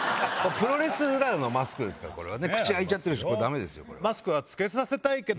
プロレスラーのマスクですから口開いちゃってるしダメです。